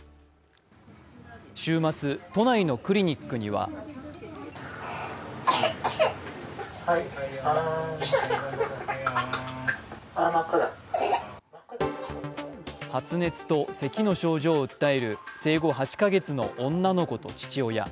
週末、都内のクリニックには発熱とせきの症状を訴える生後８か月の女の子と父親。